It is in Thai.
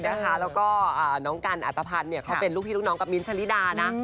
แล้วก็น้องกันอัตภัณฑ์เขาเป็นลูกพี่ลูกน้องกับมิ้นทะลิดานะ